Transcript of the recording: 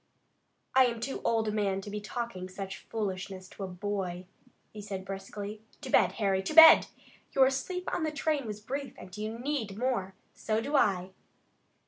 "I am too old a man to be talking such foolishness to a boy," he said, briskly. "To bed, Harry! To bed! Your sleep on the train was brief and you need more! So do I!"